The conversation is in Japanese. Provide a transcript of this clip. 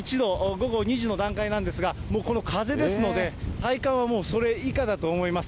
午後２時の段階なんですが、もうこの風ですので、体感はもうそれ以下だと思います。